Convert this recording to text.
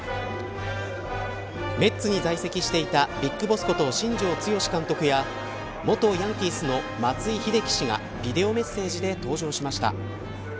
メッツに在籍していたＢＩＧＢＯＳＳこと新庄剛志監督や元ヤンキースの松井秀喜氏がビデオメッセージで登場しました。